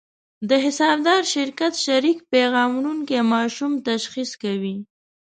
د حسابدار شرکت شریک پیغام وړونکي ماشوم تشخیص کوي.